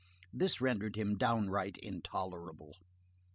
This rendered him downright intolerable.